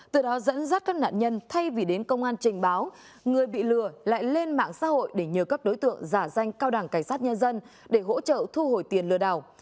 từ đó dẫn dắt các nạn nhân thay vì đến công an trình báo người bị lừa lại lên mạng xã hội để nhờ các đối tượng giả danh cao đảng cảnh sát nhân dân để hỗ trợ thu hồi tiền lừa đảo